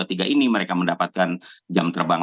tiga ini mereka mendapatkan jam terbang